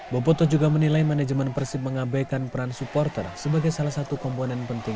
boboto juga menilai manajemen persib mengabaikan peran supporter sebagai salah satu komponen penting